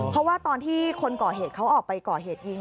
เพราะว่าตอนที่คนก่อเหตุเขาออกไปก่อเหตุยิง